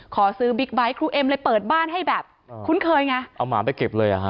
ขอซื้อบิ๊กไบท์ครูเอ็มเลยเปิดบ้านให้แบบคุ้นเคยไงเอาหมาไปเก็บเลยอ่ะฮะ